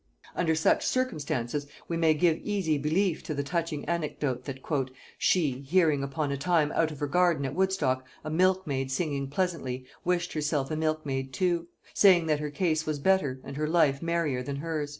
Under such circumstances we may give easy belief to the touching anecdote, that "she, hearing upon a time out of her garden at Woodstock, a milkmaid singing pleasantly, wished herself a milkmaid too; saying that her case was better, and her life merrier than hers."